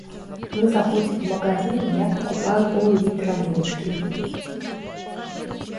Мы заходим в магазин, и я покупаю пол-литра водки.